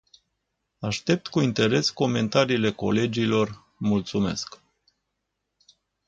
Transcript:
Aștept cu interes comentariile colegilor, mulțumesc.